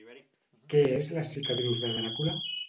Què és Les cicatrius de Dràcula?